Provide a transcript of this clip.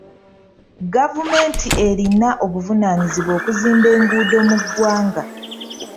Gavumenti erina obuvunaanyizibwa okuzimba enguudo mu ggwanga.